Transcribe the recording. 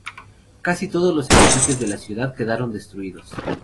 Casi todos los edificios de la ciudad quedaron destruidos.